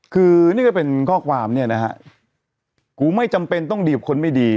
คือนี่ก็เป็นข้อความเนี่ยนะฮะกูไม่จำเป็นต้องดีกับคนไม่ดี